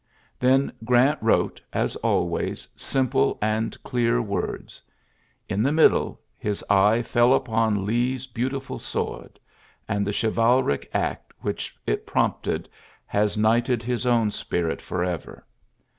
Tl^Len Grant wrote, as always, simple ad clear words. Li the middle, his eye lell upon Lee's beautiful sword ; and the Ihivalric act which it prompted has pnighted his own spirit forever.